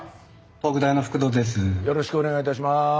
よろしくお願いします。